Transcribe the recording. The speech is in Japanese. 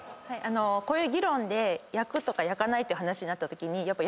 こういう議論で焼くとか焼かないって話になったときにやっぱ。